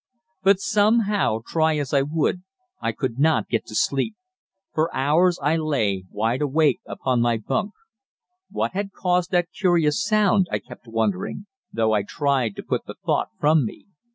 But somehow, try as I would, I could not get to sleep. For hours I lay wide awake upon my bunk. What had caused that curious sound, I kept wondering, though I tried to put the thought from me.